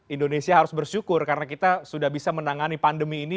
indonesia harus bersyukur karena kita sudah bisa menangani pandemi ini